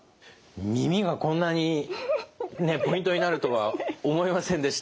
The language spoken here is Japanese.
耳がこんなにポイントになるとは思いませんでした。